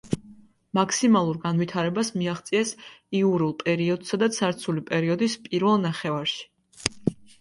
მაქსიმალურ განვითარებას მიაღწიეს იურულ პერიოდსა და ცარცული პერიოდის პირველ ნახევარში.